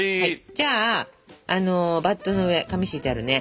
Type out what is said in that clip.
じゃあバットの上紙敷いてあるね。